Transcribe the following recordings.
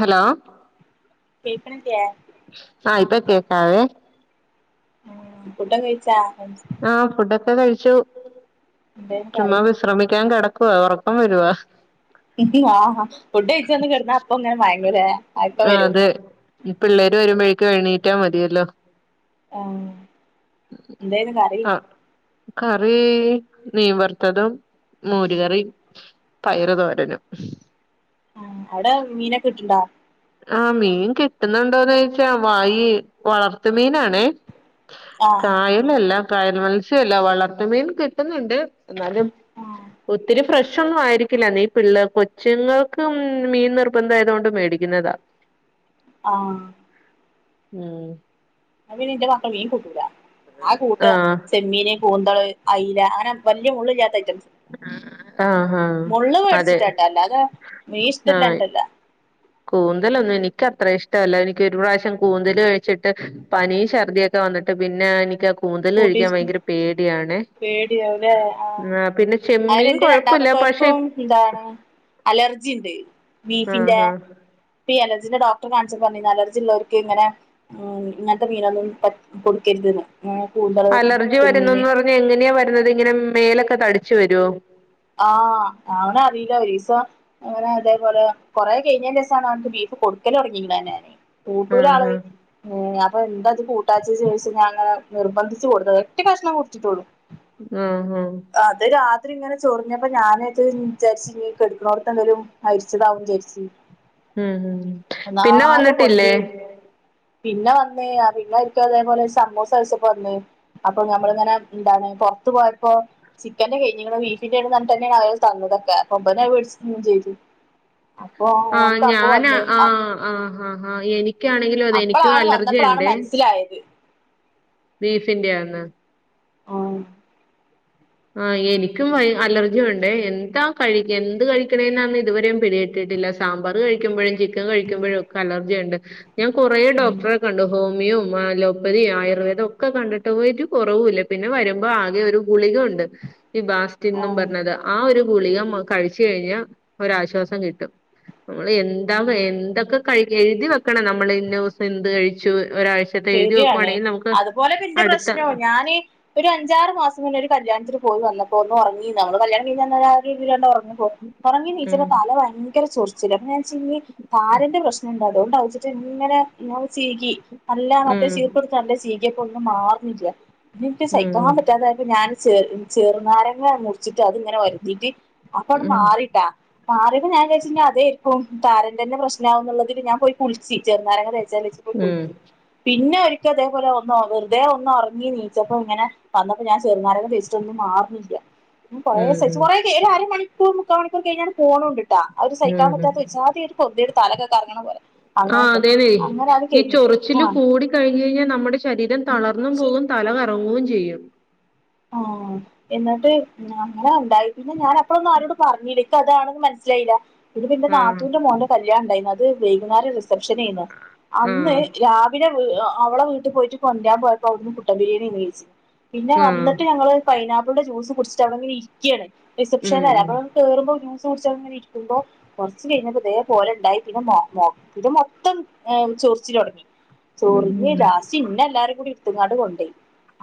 Hello കേക്കണില്ലേ ആ ഇപ്പ കേക്കാവേ ഫുഡോക്കെ കയിച്ചാ ആ ഫുഡൊക്കെ കഴിച്ചു എന്തേലും ചുമ്മാ പറയൂ വിശ്രമിക്കാൻ കെടക്കുവ ഒറക്കം വരുവാ ആഹ് ഫുഡ് കഴിച്ചന്ന് കെടന്നാ അപ്പൊ അങ്ങനെ മയങ്ങുംയല്ലേ ആഹ് അതെ പിള്ളേര് വരുമ്പോഴേക്കും എണീറ്റാ മതിയല്ലോ ആഹ് എന്തായരുന്നു കറി ആ കറി മീൻ വറുത്തതും മോര് കറി പയറ് തോരനും ആ അവിടെ മീനൊക്കെ കിട്ട്ണ്ടോ ആ മീൻ കിട്ടുന്നുണ്ടോന്ന് ചോദിച്ചാ ഈ വളർത്ത് മീനാണേ ആ കായലല്ല കായൽ മത്സ്യല്ല വളർത്ത് മീൻ കിട്ടുന്നുണ്ട് എന്നാലും- ആ ആ ഒത്തിരി ഫ്രഷ് ഒന്നും ആയിരിക്കില്ല നീ പിള്ളേ കൊച്ചുങ്ങൾക്ക് മീൻ നിർബന്ധമായതുകൊണ്ട് മേടിക്കും ന്നതാ ആഹ് ഉം എന്നാ പിന്നെ എന്റെ മക്കള് മീൻ കൂട്ടില്ല ആകെ കൂട്ടുക ആഹ് ചെമ്മീന് കൂന്തള് അയല അങ്ങനെ വലിയ മുള്ള് ഇല്ലാത്ത ഐറ്റംസ് ആഹ് ആഹ് മുള്ള് അതെ പേടിച്ചിട്ടാ കേട്ടോ അല്ലാതെ മീന് ആഹ് ഇഷ്ട്ടവില്ലാഞ്ഞിട്ടല്ല കൂന്തലൊന്നും എനിക്കത്ര ഇഷ്ടമല്ല എനിക്ക്‌ ഒരു പ്രാവശ്യം കൂന്തല് കഴിച്ചിട്ട് പനിയും ഛർദ്ദിയൊക്കെ- വന്നിട്ട് പിന്നെ എനിക്ക് ആ കൂ - കൂന്തല് കൂട്ടി കഴിക്കാൻ ഭയങ്കര പേടിയാണ് പേടിയാവുലേ പിന്നെ ചെമ്മീൻ കൊഴ- രണ്ടാമത്തോനുക്കും എന്താ അലർജി ഇണ്ട് ബീഫിന്റെ ആഹ് ആഹ് ഇപ്പൊ ഈ അലർജിന്റെ ഡോക്ടറെ കാണിച്ചപ്പോൾ പറഞ്ഞു അലർജിയുള്ളവർക്ക് - ഇങ്ങനെ ഇങ്ങനത്തെ മീനൊന്നും കൊടുക്കരുത് കൂന്തള് അലർജി വരുന്നന്ന് ചെമ്മീന്- പറഞ്ഞ എങ്ങനെയാ വരുന്നത് ഇങ്ങനെ മേലൊക്കെ തടിച്ചു വരുമോ ആഹ് അവന് അറിയില്ല ഒരീസം - അങ്ങനെ അതേപോലെ കൊറേ കഴിഞ്ഞെന്നു ശേഷംമാണ് അവക്ക് ബീഫ് കൊടുക്കല് തൊടങ്ങിയെക്കണ് തന്നെ കൂട്ടൂലാ ആഹ് ആള് അപ്പൊ എന്താ അത് കൂട്ടാത്തെന് ചോദിച്ച ഞാൻ അങ്ങനെ നിർബന്ധിച്ചച്ച് കൊടുത്ത ഒറ്റ കഷ്ണം കൊടുത്തിട്ടുള്ളൂ ഉം ഉം അത് രാത്രി ഇങ്ങനെ- ചൊറിഞ്ഞപ്പോ ഞാനായിത് വിചാരി നീ കെടുക്കണോടത്ത് എന്തേലും കടിച്ചതാവും വിചാരിച്ചു ഉം ഉം പിന്നെ ന്നാകെ വന്നിട്ടില്ലേ പൊന്തി പിന്നെ വന്നേ പിന്നെ ആരിക്കും അതേപോലെ സമൂസ കഴിച്ചപ്പോ വന്നേ അപ്പൊ ഞമ്മളിങ്ങനെ എന്താണ് പുറത്ത് പോയപ്പോ ചിക്കന്റെ കഴിഞ്ഞിക്കാണ് പിന്ന എടട്ട് തന്നെയാണ് അവര് തന്നതൊക്കെ അപ്പൊ വേടിച്ച് തിന്നേ ചെയ്തു അപ്പൊ ഓനക്ക് അപ്പ വന്ന ആ ആ ആ എനിക്കാണെങ്കിലും അതെ എനിക്കും അലർജിയുണ്ട് എനിക്കയത് ബീഫിന്റെയാന്ന് ആഹ് ആ എനിക്കും അലർജി ഉണ്ട് എന്താ കഴിക്ക എന്ത് കഴിക്കണേ എന്നന്ന് ഇതുവരെയും പിടികിട്ടി- ട്ടീട്ടില്ല സാമ്പർ കഴി - ചിക്കൻ കഴുക്കുമ്പോഴൊക്കെ അലർജിയുണ്ട് ഞാൻ കൊറേ ഉം ഉം ഡോക്ടറെ കണ്ടു ഹോം - മിയും അലോപ്പതിയും ആയുർവേദം ഒക്കെ കണ്ടിട്ട് പോയിട്ട് ഒരു കുറവില്ല പിന്നെ വരുമ്പോൾ ആകെ ഒരു ഗുളിക ഉണ്ട് ഈ ബാസ്റ്റന്നും ആഹ് പറഞ്ഞത് ആ ഒരു ഗുളിക കഴിച്ചു കഴിഞ്ഞ ഒരാശ്വാസം കിട്ടും നമ്മൾ എന്താ ഉം എന്തൊക്കെ കഴി- എഴുതി വെക്കണം നമ്മൾ ഇന്ന ദിവസം എന്ത് കഴിച്ചു ഒരാഴ്ച ശരിയണേ അതുപോലെ പിന്റെ അടുത്ത പ്രശ്നവും ഞാന് ഒരു അഞ്ചാറ് മാസം മുന്നെ ഒരു കല്യാണത്തിന് പോയി വന്നപ്പോ ഒന്നുറങ്ങീതാ കല്യാണം കഴിഞ്ഞു വരുമ്പോൾ ഒന്നുറങ്ങും ഉം ഒറങ്ങിണീച്ചപ്പോ തല ഭയങ്കര ചൊറിച്ചില അപ്പൊ ഞാൻ വിചാരിച്ചു ഇനി താരന്റെ പ്രശ്ന അതുകൊണ്ട്ച്ചി ഇങ്ങനെ ചീകി അല്ല മറ്റേ ഉം ചീർപ്പ് നല്ല ചീകപ്പോ ഒന്നും മാറുന്നില്ല എനിക്ക് സഹിക്കാൻ ഉം പറ്റാതായപ്പോ ഞാൻ [unintelligible] ചെറുനാരങ്ങ മുറിച്ചിട്ട് അതിങ്ങനെ ഒ രതിട്ട് അപ്പ ഉം മാറിട്ടാ മാറിട്ട് ഞാൻ വിചാരിച്ചു അതയിരിക്കും താരന്റെന്നെ പ്രശ്നമാ എന്നുള്ളതില് ഞാൻ പോയി കുളി ചെറുനാരങ്ങ ഉം തേച്ചാലച്ചിട്ട് പിന്നെ ഒരിക്കലും അതേപോലെ ഒന്ന് വെറുതെ ഒന്ന് ഒറങ്ങിണീച്ചപ്പോ ഇങ്ങനെ വന്നപ്പോ ഞാൻ ചെറുനാരങ്ങ തേച്ചിട്ടൊന്നും മാറുന്നില്ല കുറേ ഉം ഉം സഹിച്ചു ഒരു അരമണിക്കൂർ മുക്കൽ മണിക്കൂർ കഴിഞ്ഞ പോണൊണ്ടിട്ടാ അവര് സഹിക്കാൻ ഉം ഉം പറ്റാത്ത [unintelligible] [unintelligible] ഒരു തലൊക്കെ കറങ്ങണ പോലെ ആഹ അങ്ങനത്തെ അതേന്നെ ഈ അങ്ങനെ അത് ചോറി കഴിഞ്ഞു ചൊറിച്ചില് കൂടി കഴിഞ്ഞു കഴിഞ്ഞാൽ നമ്മുടെ ശീരം തളർന്നു ആഹ് പോകും തലകറങ്ങുകയും ചെയ്യും ആഹ എന്നിട്ട് അങ്ങനെ ഉണ്ടായി പിന്നെ ഞാൻ അപ്പഴൊന്നും ആരോട് പറഞ്ഞില്ല അത് ആണെന്ന് മനസ്സിലായില്ല ഇത് പിന്നെ ആഹ് നാത്തൂന്റെ മോന്റെ കല്യാണം ഉണ്ടായിരുന്നുത് വൈകുന്നേര റിസപ്ഷൻന്ന് അന്ന് ആഹ് രാവിലെ അവളെ വീട്ടിൽ പോയിട്ട് കൊണ്ടരാൻ പോയപ്പോ അവിടുന്ന് കുട്ട ബിരിയാണി മേടിച്ചു പിന്നെ ആഹ് വന്നട്ട് പൈനപ്പിളിന്റെ ജൂസ് കുടിച്ചട്ട് അടെ അങ്ങനെ ഇരിക്കയാണ് ഉം റിസപ്ഷനല്ല അ കേറുമ്പോ ജ്യൂസ് കുടിച്ചു ഇരിക്കുമ്പോ കുറച്ച കഴിഞ്ഞപ്പം ഇതയേ പോലെ ഉണ്ടായി പിന്നെ ഇത് മൊത്തം ചൊറിച്ചിൽ തുടങ്ങി ഉം ചൊറിഞ്ഞു ഉം ലാസ്റ്റ് ഇന്നെ എല്ലാരും കൂടി ഇരുത്തങ്ങാട് കൊണ്ടപയി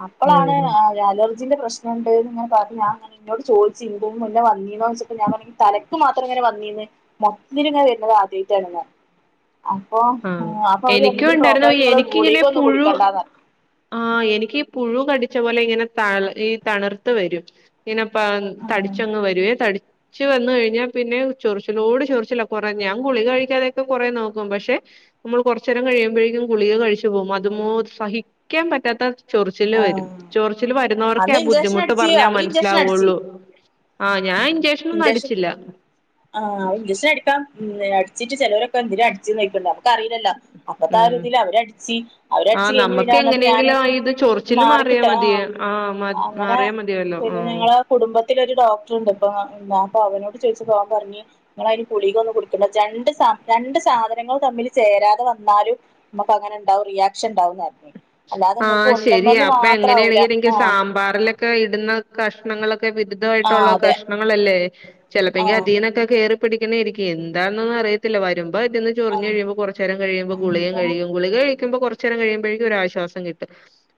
അപ്പോളാണ് ഉം അലർജി അന്റെ പ്രശ്നുണ്ട്ന്ന്ങ്ങെ പറഞ്ഞു എന്നോട് ചോദിച്ച് ഇതുപോലെ വല്ലതും വന്നിയ ച്ചെപ്പോ ഞാൻ പറഞ്ഞു തലക്ക് മാത്രം ഇങ്ങനെ വന്നിന്ന് മൊത്തത്തിങ്ങന വരുന്നത് ആദ്യമായിട്ടാണ് ഞാൻ അപ്പൊ ആഹ് അപ്പൊ അവര് എനിക്കും വന്നെന് ഉണ്ടായിരുന്നു പ്രോപ്പറായിട്ട് നിങ്ങള് എനിക്കിങ്ങനെ ഗുളീക് ഒന്ന് പുഴു കുടിക്കേണ്ടന്നാണ് ആഹ് എനിക്ക് പുഴു കടിച്ച പോലെ ഇങ്ങനെ ത ഈ തണുർത്ത വരും ഇന്നെപ്പ ആഹ് തടിച്ചങ് വരുവേ തടി ച്ച് വന്ന് കഴിഞ്ഞാൽ പിന്നെ ഉ ചൊറിച്ചിലോട് ചൊറിച്ചില കുറേ ഞാൻ ഗുളിക കഴിക്കാതെയക്കെ കുറേ നോക്കും പക്ഷെ നമ്മൾ കുറച്ച നേരം കഴിയുമ്പോഴേക്കും ഗുളിക കഴിച്ചു പോകും അതുമാതിരി സഹിക്കാൻ പറ്റാത്ത ചൊറിച്ചില് വരും ആഹ് ചോറിച്ചില് വരുന്നവർക്കേ അന്ന് ആ ഇഞ്ചക്ഷൻ ബുദ്ധിമുട്ട് അടിച്ച് പറഞ്ഞാ അവര് ഇഞ്ചക്ഷൻ അടിച്ച് മനസ്സിലാവുള്ളൂ ആഹ് ഞാൻ ഇഞ്ചക്ഷനൊന്നും ഇഞ്ചക്ഷൻ അടിച്ചില്ല ആഹ് ഇംഞ്ചക്ഷന് അടിക്കാം അടിച്ചിട്ട് ചിലവരൊക്കെ എന്തിനും അടിച്ച് ചോയിക്കല്ലേ നമ്മക്ക് അറീലല്ലോ. അപ്പത്തെ ആഹ് ഉം രീതിയിൽ അവരടിച്ച് അവരടിച്ച് ആഹ് കഴിഞ് നമ്മക്ക് വിടാ എന്നൊക്കെ ഞാന് എങ്ങനെയെങ്കിലും ആ ഇത് ചൊറിച്ചില് മാറിയാ മാറിക്കിട്ട് മതിയ ആഹ് ആഹ് അങ്ങനെ മാറിയാ മതിയല്ലോ പിന്നെ ആഹ് ഞങ്ങള് കുടുംബത്തിലൊരു ഡോക്ടർണ്ട് ഇപ്പൊ അപ്പൊ അവനോട് ചോദിച്ചപ്പോ അവൻപറ്ഞ്ഞ് നിങ്ങളതിന് ഗ്ദളികൊന്ന് കുടിക്കണ്ട. രണ്ട് സ രണ്ട് സാധനങ്ങൾ തമ്മിൽ ചേരാതെ വന്നാലും നമുക്ക് അങ്ങനെ ഉണ്ടാവും റിയാക്ഷൻ ഉണ്ടാവുന്ന് പറ്ഞ്. അല്ലാതെ നിങ്ങക്ക് ആഹ് ഒ ശരിയാ അപ്പൊ എങ്ങനെയാണെങ്കിൽ എനിക്ക് സാ ബാറിലൊക്കെ ഇടുന്ന കഷ്ണങ്ങളൊക്കെ ആഹ് വിരുദ്ധമായിട്ടുള്ള അതെ കഷ്ണങ്ങളല്ലേ? ചിലപ്പോെങ്കി ആഹ് അധീന്നെക്കെ കയറിപ്പിടിക്കണേ ഇരിക്കും എന്താന്നന്നും അറിയത്തില്ല വരുമ്പോ അതിന് ആഹ് ചെറിഞ്ഞെഴിയുമ്പം കൊറച്ച് നേരം കഴിയുമ്പോ ഗുളിക അപ്പൊ കഴിക്കും. ഗുളിക കഴിക്ക്മ്പോ കൊറച്ച് നേരം കഴിയുമ്പോഴേക്കും ഒരാശ്വാ ശ്വാസം കിട്ടും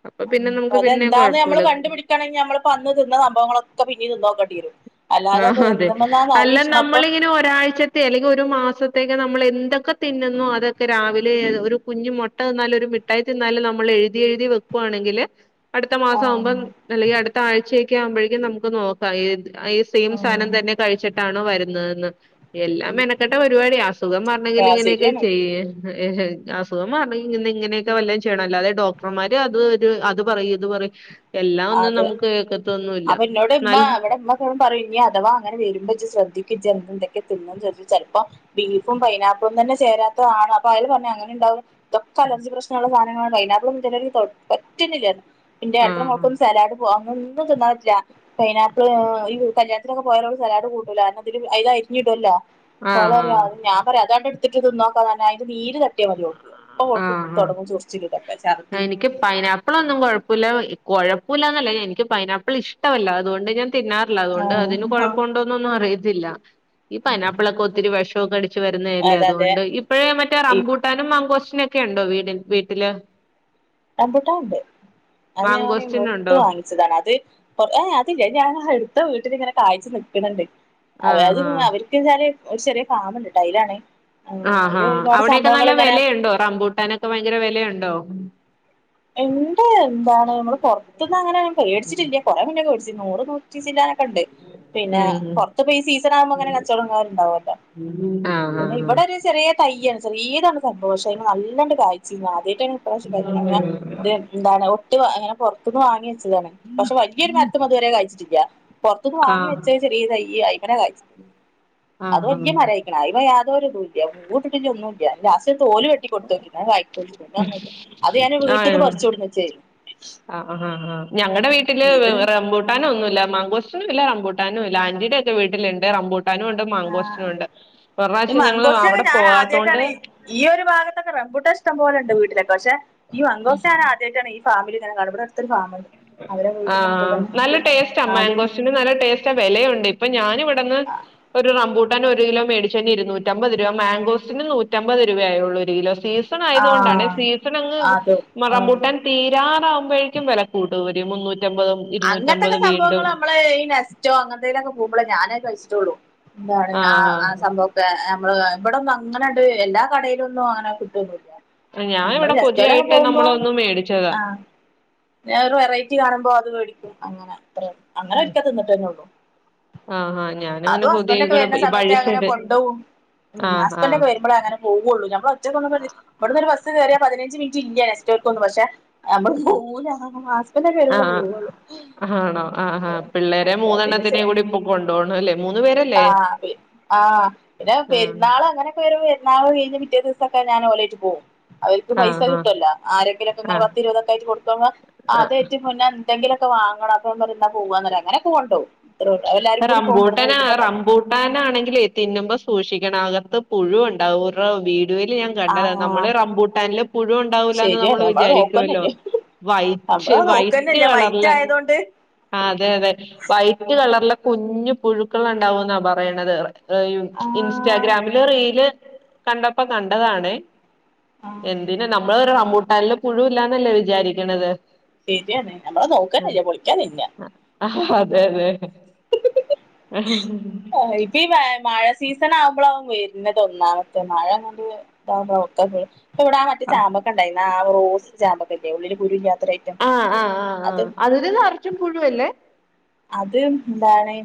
അപ്പൊ പിന്നെ നമുക്ക് പിന്നെ അതെന്താന്ന് നമ്മള് കുഴപ്പമില്ല കണ്ടുപിടിക്കാണെങ്കിൽ നമ്മളി അന്ന് തിന്ന സംഭവങ്ങളൊക്കെ പിന്നീ തിന്നോക്കേണ്ടി വരും. അല്ലാതെ ഇപ്പൊ ആഹ് അതെ എന്തുമ്മന്നാന്ന് അല്ല അറിയില്ല അപ്പൊ നമ്മളിങ്ങനെ ഒരാഴ്ച ത്തേക്ക് അല്ലെങ്കിൽ ഒരു മാസത്തേക്ക് നമ്മൾ എന്തൊക്കെ തിന്നുന്നു അതൊക്കെ രാവിലെ ഒരു കുഞ്ഞ് മുട്ട ട്ട തിന്നാലും ഒരു മിഠായി തിന്നാലും നമ്മൾ എഴുതി എഴുതി വെക്കുവാണെങ്കില് അടുത്ത മാസം ആഹ് ആകുമ്പം അല്ലെങ്കിൽ അടുത്ത ആഴ്ചയൊക്കെ ആവുമ്പോഴേക്കും നമുക്ക് നോക്കാം ഏത് സെയിം ആഹ് സാധനം തന്നെ കഴിച്ചിട്ടാണോ വരുന്നതെന്ന്? എല്ലാം മെനക്കെട്ട പരുപാടിയ അസുഖം മാറണെങ്കിൽ ആഹ് ഇങ്ങനെയൊക്കെ ശരിയാണ് ചെയ്യേ ഏഹ് അസുഖം മാറാണെങ്കി ഇങ്ങനെ ഇങ്ങനെയൊക്കെ വല്ലോം ചെയ്യണം. അല്ലാതെ ഡോക്ടർമാര് അത് ഇത് അത് പറയും ഇത് പറയും. എല്ലാം ഒന്നും അത് നമുക്ക് കേക്കത്തൊന്നുല്ല നല്ല എ പറയും ഇനി അഥവാ അങ്ങനെ വരുമ്പോ ഇജ് ശ്രദ്ധിക്ക് ഇജ് എന്തൊക്കെ തിന്നന്ന് ചോദിച് ചെലപ്പോം. ബീഫും പൈനാപ്പിളും തന്നെ ചേരാത്തതാണ് അപ്പൊ അതില് പറഞ്ഞ അങ്ങനെ ഉണ്ടാവും. ഇതൊക്കെ അലർജി പ്രശ്നമുള്ള സാധനങ്ങളാണ് പൈനാപ്പളും ചെലപ്പം [unintelligible] പറ്റുന്നല്ലായിരുന്നു. ആഹ് ട്ടും സലാഡ് പോക അങ്ങൊന്നും തിന്നാൻ പറ്റില്ല. പൈനാപ്പിള് ഈ കല്യാണത്തിലൊക്കെ പോയാലുള്ള സലാഡ് കൂട്ടൂലാകാരണം ഇതില് അയില് അരിഞ്ഞിടുല്ലോ. അപ്പോ ഓൾ ആഹ് പറിയ ആഹ് അത് ഞാൻ പറയാ അതാണ്ട് എടുത്തിട്ട് തിന്നോക്കാം പറ്ഞ്ഞ് അതിൻ്റെ നീര് തട്ടിയാൽ മതി ഓക്ക്. ഓള്ക്ക് ആഹ് തുടങ്ങും ആഹ് ചെറിച്ചിലക്കെ അപ്പ ഛർദി എനിക്ക് പൈനാപ്പിളൊന്നും കുഴപ്പൊല്ല കുഴപ്പൊല്ലന്നല്ല എനിക്ക് പൈനാപ്പിൾ ഇഷ്ടമല്ല അതുകൊണ്ട് ഞാൻ തിന്നാറ ല്ല അതുകൊണ്ട് അതിന് ആഹ് കൊഴപ്പൊണ്ടോന്ന് ന്നൊന്നും അറിയത്തില്ല ഈ പൈനാപ്പിളൊക്കെ ഒത്തിരി വിഷക്കെ അടിച്ച് വരുന്നതല്ലേ അതെ അതെ അതുകൊണ്ട് ഇപ്പഴ മറ്റേ ഈ റബൂട്ടാനും മങ്കോശിന ഒക്കെ ഉണ്ടോ വീടി വീട്ടില്? റമ്പുട്ടാൻഉണ്ട് അത് ഞാന് മെട്ട് മാങ്കോസ്റ്റിനുണ്ടോ വാങ്ങി. ച്ചതാണ് അത് ഏ അതില്ല ഞാൻ അടുത്ത വീട്ടിലിങ്ങനെ കായ്ച്ച് നിക്ക്ണ് ണ്ട്. അതായത് ആഹ് ആഹ് അവർക്ക് വെച്ചാൽ ഒരു ചെറിയ ഫാമുണ്ട് ടൈലാണേ ആഹാ അവിടെ യൊക്കെ നല്ല വിലയുണ്ടോ റമ്പൂട്ടാനൊക്കെ ഭയങ്കര വിലയുണ്ടോ? ഇണ്ട് എന്താണ് നമ്മൾ പുറത്തന്ന് അങ്ങനെ മേടിച്ചിട്ടില്ല കൊറെ മുന്നേ മേടിച്ച നൂറ് നൂ ടാനൊക്കെ ഉണ്ട്. പിന്നെ ഉം പുറത്ത് പോ ഈ സീസൺ ആകുമ്പോ ഇങ്ങനെ കച്ചോടംങ്ങനെണ്ടാവൽണ്ടല്ലോ. ഉ ആഹ് പിന്നെ ആഹ് ഇവിടെ ഒരു ചെറിയ തയ്യാണ് ചെറിയതാണ് സന്തോഷം അയിന് നല്ലാണ്ട് കായ്ച്ചി ആദ്യ യ്ട്ടാണ്. [unintelligible] ആഹ് ഇത് എന്താണ് ഒട്ട് അങ്ങനെ പുറത്തു നിന്ന് വാങ്ങി വെച്ചതാണ്. പക്ഷേ വലിയൊരു മരത്തുമ്മേൽ ഇതുവരെ കായ്ച്ചിട്ടില്ല. പുറത്തുന്ന് വാങ്ങി ആഹ് വെച്ച ചെറിയ തൈ ഈ അയ്മനെ ക ആഹ് ആഹ് വല്യ മരായിക്ക്ണ് അയ്മെ യാതൊരു ഇതൂല്യ പൂവൂട്ട്ട്ടില്ല ഒന്നു ലാസ്റ്റ് തോല് വെട്ടി കൊട്ത്ത് [unintelligible] പിന്നൊന്നൂല്ല അത് ഞാന് വീട്ടീന്ന് ആഹ് ആഹ് പറിച്ചൊട്ന്നെച്ചനി. ആഹ് ആഹ് ആഹ് ഞങ്ങളടെ വീട്ടില് ഇത് റ നൊന്നുല്ല മാങ്കോസ്റ്റിനുവില്ല റമ്പൂട്ടാനുംവില്ല ആന്റിടൊക്കെ വീട്ടിലുണ്ട് റമ്പൂട്ടാനും ഉണ്ട് ആ മാങ്കോസ്റ്റിനുണ്ട് ഒരു പ്രാവശ്യം ഞങ്ങള് അവിടെ പോകാത്തോണ്ട് ഈയൊരു ഭാഗത്തൊക്കെ റംബൂട്ടാൻ ഇഷ്ടം പോലൊണ്ട് വീട്ടില് പക്ഷേ ഈ മാങ്കോസ്റ്റ് ഞാനാദ്യായ്ട്ടാണ് ഫാമിലിങ്ങനെ കാണും ഇബടടുത്തൊരു ഫാമ് ആഹ് നല്ല ടേസ്റ്റാ ആദ്യം മാങ്കോസ്റ്റിന് നല്ല ടേസ്റ്റ പക്ഷേ വെലയുണ്ട് ഇപ്പൊ ഞാനിവിടന്ന് ഒരു റമ്പൂ ട്ടാനൊരു കിലോ മേടിച്ചയ്നിരുന്നൂറ്റമ്പത് രൂപ മാങ്കോസ്റ്റിന് നൂറ്റമ്പത് രൂപായുള്ളൂ ഒരു കിലോ സീസ് സണായതോണ്ടാണെ ആഹ് സീസണങ്ങ് അതും ആഹ് റംമ്പൂട്ടാൻ തീരാറാകുമ്പോഴേക്കും വില കൂട്ടുവര് മുന്നൂറ്റമ്പതും അങ്ങൻത്തൊക്കെ ഇരുന്നൂറ്റമ്പതും വീണ്ടും സംഭവങ്ങള് നമ്മള് ഈ നെ സ്റ്റോ അങ്ങൻത്തേലൊക്കെ പോകുമ്പളേ ഞാനത് കഴിച്ചിട്ടുള്ളൂ എന്താണ് ആഹ് ആഹ് സംഭവം ഞമ്മള് ഇവിടൊന്നങ്ങനങ്ങട്ട് എല്ലാ കടേലൊന്നും അങ്ങനെ കിട്ടൊന്നുല്ല ഞാൻ ഞമ്മള് ഇവിടെ നെസ്റ്റോലൊക്കെ പുതിയായിട്ട് പോകുമ്പോ നമ്മളൊന്ന് മേടിച്ചതാ ആഹ് പിന്നെയൊരു വെറൈറ്റി കാണുമ്പോ അത് വേടിക്കും അങ്ങനെ അത്രെ ഒള്ളു അങ്ങനൊരിക്കെ തിന്നിട്ടന്നൊള്ളൂ ആഹ് ആഹ് ഞാനങ്ങനെ അതും ഹസ്ബന്റൊക്കെ കൊതികള് വരണ ഈ സമയത്ത് വഴി ഞാൻങ്ങനെ സൈഡ് കൊണ്ടോകും ഉം ആഹ് ആഹ് ഹസ്ബന്റൊക്കെ വരുമ്പളേ അങ്ങനെ പോവൊള്ളൂ നമ്മളൊറ്റക്കൊന്നും ഇവടുന്നൊരു ബസ് കേറിയ പതിനഞ്ച് മിനിറ്റില്ല നെസ്റ്റോക്കൊന്നും പക്ഷെ ഞമ്മ പോവൂല ഹസ്ബന്റൊക്കെ വരുമ്പളേ പോകൊള്ളൂ ആണോ ആഹ് ആഹ് പിള്ളേരെ ചെ മൂന്നെണ്ണത്തിനെങ്കൂടി ഇപ്പൊ കൊണ്ടോകണം അല്ലേ മൂന്ന് പേരല്ലേ ആഹ് പി ആഹ് പിന്നെ ആഹ് പെരുന്നാളങ്ങനെ ഒരു പെരുന്നാള് കഴിഞ്ഞ് പിറ്റേ ദിവസൊക്കെ ഞാനോലേറ്റ് പോകും അവര്ക്ക് പൈസ ആഹ് കിട്ടുവല്ലോ ആരെങ്കിലൊക്കെങ്ങനെ ആഹ് പത്തിരുപതൊക്കായ്റ്റ് കൊടുക്കുമ്പോ ആഹ് അതേറ്റ് എന്തെങ്കിലൊക്കെ വാങ്ങണം അപ്പൊ പറയും എന്നാ പോവാന്ന് പറയും അങ്ങനൊക്കെ കൊണ്ട് പോവും എല്ലാർക്കും കൂടി പോവാം പെട്ടന്ന് പോയി റമ്പൂട്ടാനാണെങ്കിലേ തിന്നുമ്പോ സൂക്ഷിക്കണം അകത്ത് പുഴു ഉണ്ടാവും ഓരോ വീഡിയോയില് ഞാ കണ്ടതാ ആഹ് നമ്മള് റമ്പൂട്ടാനില് പുഴു ഉണ്ടാവൂലാന്ന് ശരിയാണ് നമ്മള് വിചാരിക്കൂല്ലോ നോക്കന്നെല്ലേ വൈറ്റ് നമ്മള് വൈറ്റ് നോക്കന്നല്ല വൈറ്റ് കളറില് ആയതൊണ്ട് ആഹ് അതെയതെ വൈറ്റ് കളറില് കുഞ്ഞ് പുഴുക്കളുണ്ടാവൂന്നാ പറയണത് ആ ഇൻസ്റ്റാഗ്രാമില് റീല് കണ്ടപ്പോ കണ്ടതാണെ ആ എന്തിന് നമ്മള് റമ്പൂട്ടാനില് പുഴു ഇല്ലാന്നല്ലേ വിചാരിക്കണത് ശെരിയാണ് നമ്മള് നോക്കാന്യല്ല പൊളിക്കാ തിന്നാ ആഹ് അതെയതെ ആഹ് ഇപ്പീ മഴ സീസണാവുമ്പളാവും വെര്ണതൊന്നാമത് മഴ അങ്ങ [unintelligible] ഇപ്പം ഇവടെ ആഹ് മറ്റെ ആ ചാമ്പക്കയുണ്ടായ്നു ആഹ് റോസ് ചാമ്പക്കല്ലെ ഉള്ളില് കുരുവില്ലാത്തൊരയ്റ്റം അത് ഇത് നെറച്ചും പുഴുവല്ലേ അത് എന്താണ്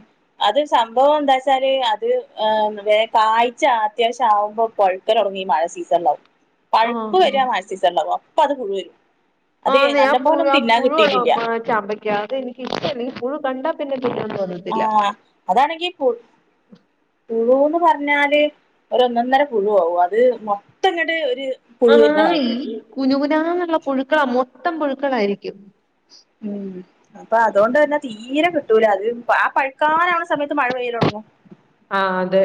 അത് സംഭവം എന്താച്ചാല് അത് വേ കായിച്ക് അത്യാവശ്യാവുമ്പോ പഴു ക്കലൊടങ്ങീ മഴ സീസണിലാവും ആ പഴുപ്പ് വരിയാ മഴ സീസണിലാവും അപ്പത് പുഴുവരും ആന്നെ ആഹ് പു പുഴുവാ ചാമ്പയ് ക്കാതെനിക്കിഷ്ടല്ല എനിക്ക് പുഴു കണ്ടാ പിന്നെ തിന്നാൻ തോന്നില്ല ആഹ് അതാണെങ്കി പുഴു പുഴൂന്ന് പറഞ്ഞാല് ഒരൊന്നന്നര പുഴു ആവും അത് മൊത്തം ഇങ്ങട്ട് ഒരു പുഴു വരുന്ന ആന്നീ മാതിരിയാണ് കുനുകുനാന്നുള്ള പുഴുക്കളാ മൊത്തം പുഴുക്കളായിരിക്കും ഉം അപ്പൊ അതോണ്ടന്നെ തീരെ കിട്ടൂല അത് ആ പഴുക്കാനാക്ണ സമയത്ത് മഴ പെയ്യലൊടങ്ങും ആഹ് അതെ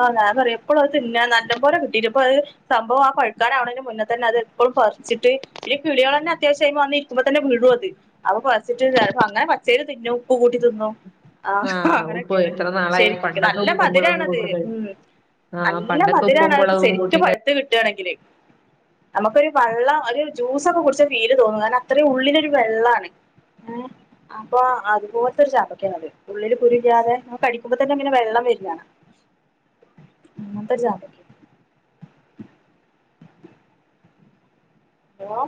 ആഹ് ഞാൻ പറിയ് എപ്പളും അത് തിന്നാ നല്ല പോലെ കിട്ടീനി പ്പഹ് സംഭവം ആ പഴുക്കാനാവ്ണെന്റെ മുന്നെ തന്നെ അത് എപ്പളും പറിച്ചിട്ട് ഈ കിളികളന്നെ അത്യാവിശ്യാ അയ്മ വന്നിരിക്കുമ്പ തന്നെ വീഴും അത് അപ്പം പറിച്ചിട്ടന്നെ പ്പം അങ്ങനെ പച്ചേല് തിന്നും ഉപ്പ് കൂട്ടി തിന്നും ആ ഉപ്പ് അങ്ങനെയൊക്കെയാണ് എത്ര നാളായി ശരിക്ക് പണ്ടൊക്കെ നല്ല ഉപ്പും മുളകും മധുരാണത് കൂട്ടി കഴി ഉം ആ നല്ല പണ്ടൊക്കെ ഉപ്പും മധുരാണത് മുളകും കൂട്ടി ശരിക്ക് കഴി പഴുത്ത് കിട്ടാണെങ്കില് നമുക്കൊരു വള്ളം ഒരു ജ്യൂസൊക്കെ കുടിച്ച ഫില് തോന്നും കാരണം അത്രയും ഉള്ളിലൊരു വെള്ളാണ് ഏഹ് അപ്പൊ അതുപോലത്തൊരു ചാമ്പക്കേണത് ഉള്ളില് കുരുല്ലാതെ കടിക്കുമ്പോ തന്നെ ങ്ങനെ വെള്ളം വരാണ് അങ്ങൻത്ത ചാമ്പ ഹലോ